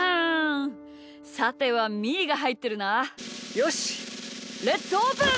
よしレッツオープン！